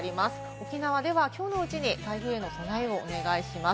沖縄では、きょうのうちに台風への備えをお願いします。